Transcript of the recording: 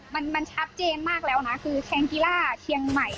มันมันชัดเจนมากแล้วนะคือแคงกีล่าเชียงใหม่